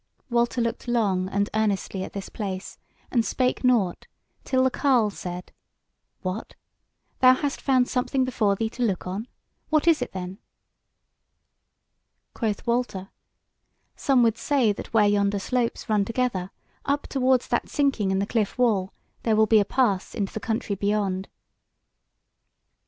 Walter looked long and earnestly at this place, and spake nought, till the carle said: "What! thou hast found something before thee to look on. What is it then?" Quoth Walter: "Some would say that where yonder slopes run together up towards that sinking in the cliff wall there will be a pass into the country beyond."